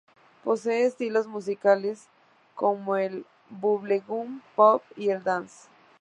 Posee estilos musicales como el bubblegum pop y el dance.